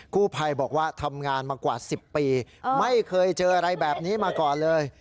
กู้ภัยบอกว่าทำงานมากว่า๑๐ปีไม่เคยเจออะไรแบบนี้มาก่อนเลย